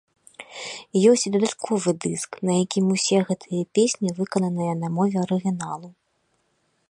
Ёсць і дадатковы дыск, на якім усе гэтыя песні выкананыя на мове арыгіналу.